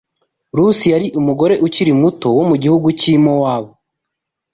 Rusi yari umugore wari ukiri muto wo mu gihugu cy’i Mowabu